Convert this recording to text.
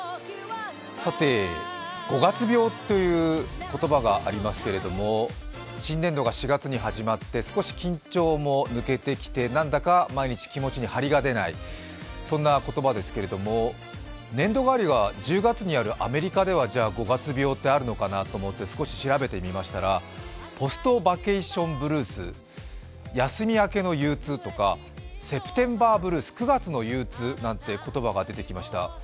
さて、五月病という言葉がありますけれども、新年度が４月に始まって少し緊張も抜けてきてなんだか毎日気持ちに張りが出ない、そんな言葉ですけれども、年度替わりが１０月にあるアメリカでは、じゃあ五月病ってあるのかなと思って、少し調べてみましたらポスト・バケーション・ブルース休み明けのゆううつとか、セプテンバー・ブルース、９月の憂鬱なんて言葉が出てきました。